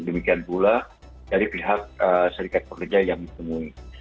demikian pula dari pihak serikat pekerja yang ditemui